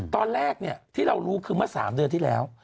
ตอนแรกที่เรารู้คือเมื่อ๓เดือนที่แล้ว